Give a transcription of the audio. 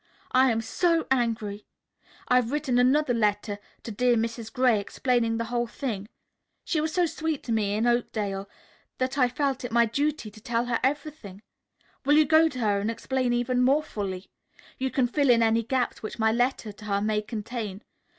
I am so angry. I have written another letter to dear Mrs. Gray explaining the whole thing. She was so sweet to me when in Oakdale that I felt it my duty to tell her everything. Will you go to her and explain even more fully? You can fill in any gaps which my letter to her may contain.